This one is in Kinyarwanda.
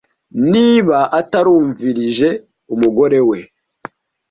niba atarumvirije umugore we